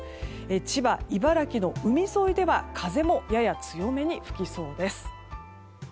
千葉、茨城の海沿いでは風もやや強めに吹きそうです。